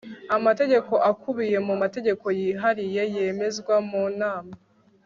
amategeko akubiye mu mategeko yihariye yemezwa mu nama